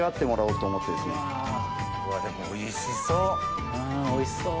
うわおいしそう。